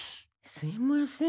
すいません。